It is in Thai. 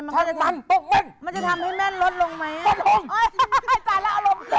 มันจะทำให้แม่นลดลงไหมเนี่ยตายแล้วเอาลงขึ้น